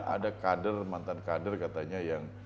ada kader mantan kader katanya yang